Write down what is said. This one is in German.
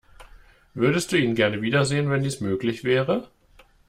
Würdest du ihn gerne wiedersehen, wenn dies möglich wäre?